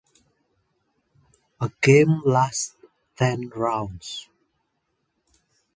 A game lasts ten rounds.